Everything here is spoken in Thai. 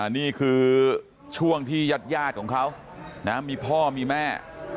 นี่คือช่วงที่ญาติของเขามีพ่อมีแม่